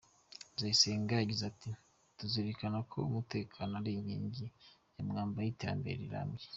Nzayisenga yagize ati:"Tuzirikana ko umutekano ari inkingi ya mwamba y’iterambere rirambye.